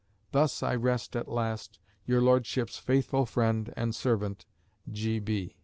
Thus I rest at last "Your Lordship's faithful friend and servant, "G.